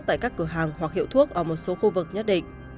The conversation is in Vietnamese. tại các cửa hàng hoặc hiệu thuốc ở một số khu vực nhất định